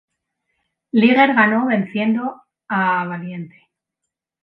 Liger ganó venciendo a a Valiente.